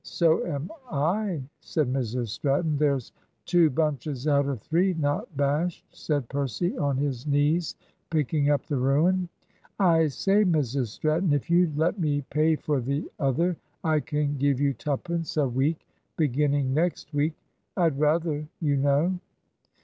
"So am I," said Mrs Stratton. "There's two bunches out of three not bashed," said Percy, on his knees picking up the ruin. "I say, Mrs Stratton, if you'd let me pay for the other I can give you twopence a week, beginning next week. I'd rather, you know."